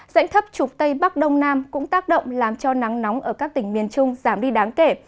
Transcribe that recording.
dãnh thấp trục tây bắc đông nam cũng tác động làm cho nắng nóng ở các tỉnh miền trung giảm đi đáng kể